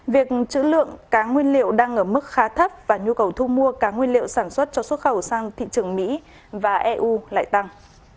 việc chữ lượng cá nguyên liệu đang ở mức khá thấp và nhu cầu thu mua cá nguyên liệu sản xuất cho xuất khẩu sang thị trường mỹ và eu lại tăng